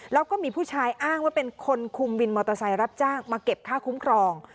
แล้วก็มีผู้ชายอ้างว่าเป็นคนคุมวินมอเตอร์ไซค์รับจ้างมาเก็บค่าคุ้มครอง